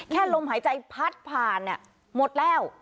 แค่ลมหายใจพัดผ่านเนี้ยหมดแล้ว